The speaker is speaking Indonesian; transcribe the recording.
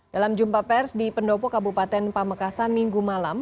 dalam jumpa pers di pendopo kabupaten pamekasan minggu malam